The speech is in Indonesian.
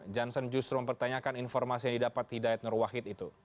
johnson justru mempertanyakan informasi yang didapat hidayat nur wahid itu